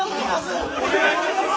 お願いします！